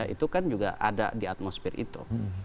itu kan juga ada di atmosfer itu